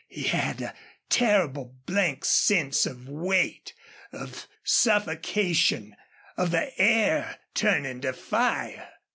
He had a terrible blank sense of weight, of suffocation, of the air turning to fire.